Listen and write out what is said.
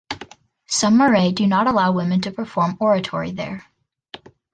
Some marae do not allow women to perform oratory there.